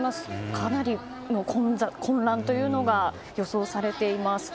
かなりの混乱というのが予想されています。